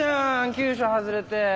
急所外れて。